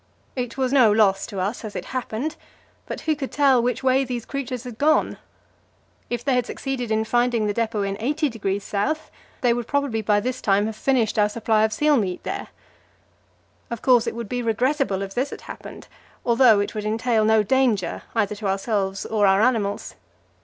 It was no loss to us, as it happened; but who could tell which way these creatures had gone? If they had succeeded in finding the depot in 80° S., they would probably by this time have finished our supply of seal meat there. Of course it would be regrettable if this had happened, although it would entail no danger either to ourselves or our animals.